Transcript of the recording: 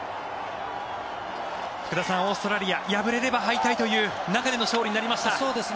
福田さん、オーストラリア敗れれば敗退という中での勝利となりました。